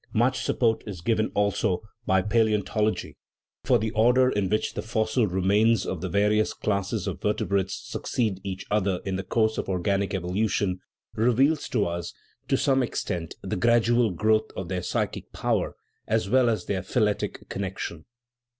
Much support is given also by palaeon tology, for the order in which the fossil remains of the various classes of vertebrates succeed each other in the course of organic evolution reveals to us, to some ex tent, the gradual growth of their psychic power as well as their phyletic connection.